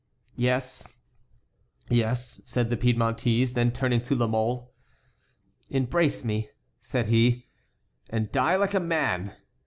"Yes, yes," said the Piedmontese. Then turning to La Mole: "Embrace me," said he, "and die like a man.